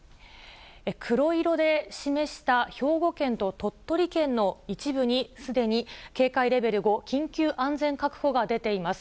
黒色で示した兵庫県と鳥取県の一部に、すでに警戒レベル５、緊急安全確保が出ています。